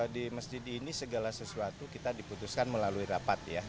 di masjid ini segala sesuatu kita diputuskan melalui rapat ya